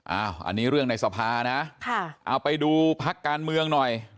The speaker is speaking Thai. อันนี้เรื่องในสภานะเอาไปดูพักการเมืองหน่อย